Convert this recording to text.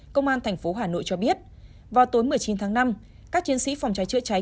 công an thành phố hà nội cho biết vào tối một mươi chín tháng năm các chiến sĩ phòng cháy chữa cháy